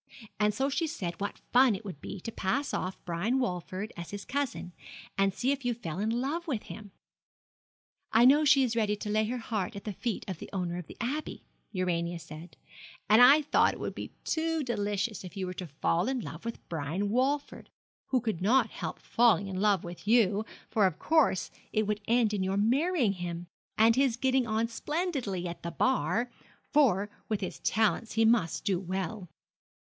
And so she said what fun it would be to pass off Brian Walford as his cousin, and see if you fell in love with him. 'I know she is ready to lay her heart at the feet of the owner of the Abbey,' Urania said; and I thought it would be too delicious if you were to fall in love with Brian Walford, who could not help falling in love with you, for of course it would end in your marrying him, and his getting on splendidly at the Bar; for, with his talents, he must do well.